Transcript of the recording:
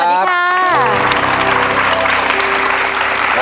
สวัสดีค่ะ